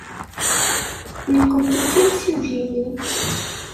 Nekkenti d timsujjiyin.